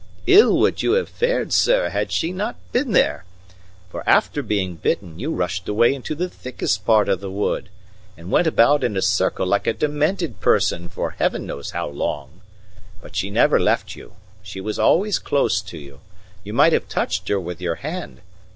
"Ill would you have fared, sir, had she not been there. For after being bitten, you rushed away into the thickest part of the wood, and went about in a circle like a demented person for Heaven knows how long. But she never left you; she was always close to you you might have touched her with your hand.